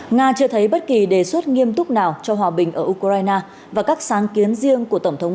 nga chưa thấy bất kỳ đề xuất nghiêm túc nào cho hòa bình ở ukraine và các sáng kiến riêng của tổng thống